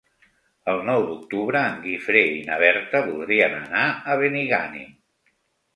El nou d'octubre en Guifré i na Berta voldrien anar a Benigànim.